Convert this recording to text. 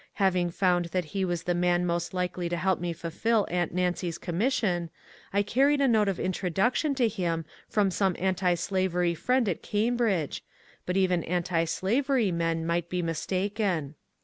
Having found that he was the man most likely to help me fulfil aunt Nancy's commission, I carried a note of introduction to him from some antislavery friend at Cambridge, but even antislavery men might be mistaken.